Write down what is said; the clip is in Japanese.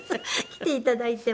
来ていただいて。